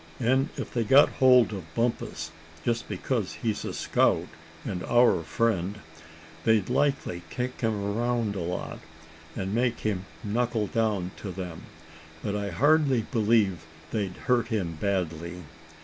And if they've got hold of Bumpus, just because he's a scout, and our friend, they'd likely kick him around a lot, and make him knuckle down to them; but I hardly believe they'd hurt him badly.